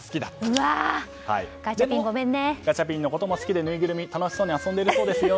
でも、ガチャピンのことも好きでぬいぐるみで楽しそうに遊んでいるそうですよ。